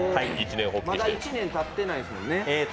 まだ１年たってないですもんね。